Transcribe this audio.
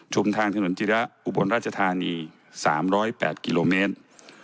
ทางถนนจิระอุบลราชธานี๓๐๘กิโลเมตร